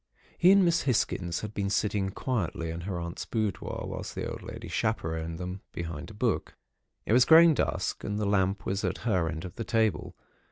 "He and Miss Hisgins had been sitting quietly in her aunt's boudoir, whilst the old lady chaperoned them, behind a book. It was growing dusk, and the lamp was at her end of the table.